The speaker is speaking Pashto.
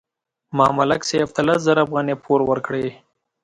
ما ملک صاحب ته لس زره افغانۍ پور ورکړې.